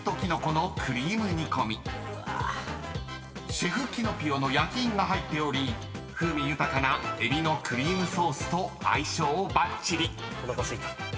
［シェフキノピオの焼き印が入っており風味豊かなエビのクリームソースと相性ばっちり］